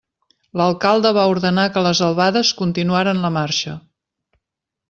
L'alcalde va ordenar que les albades continuaren la marxa.